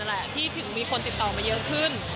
แหละที่ถึงมีคนติดต่อมาเยอะขึ้น